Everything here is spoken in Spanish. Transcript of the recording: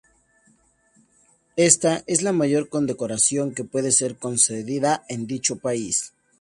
Esta es la mayor condecoración que puede ser concedida en dicho país.